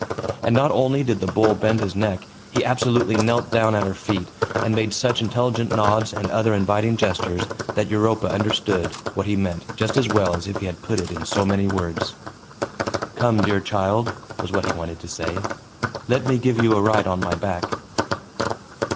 And not only did the bull bend his neck, he absolutely knelt down at her feet, and made such intelligent nods, and other inviting gestures, that Europa understood what he meant just as well as if he had put it in so many words. "Come, dear child," was what he wanted to say, "let me give you a ride on my back."